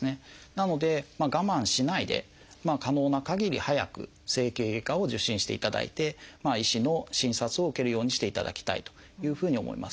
なので我慢しないで可能な限り早く整形外科を受診していただいて医師の診察を受けるようにしていただきたいというふうに思います。